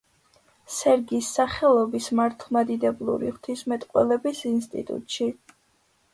სერგის სახელობის მართლმადიდებლური ღვთისმეტყველების ინსტიტუტში.